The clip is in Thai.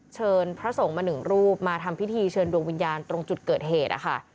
พระสงฆ์มาหนึ่งรูปมาทำพิธีเชิญดวงวิญญาณตรงจุดเกิดเหตุนะคะ